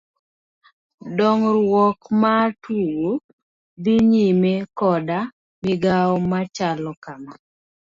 Dong'ruok mar tugo dhi nyime koda migao machalo kama.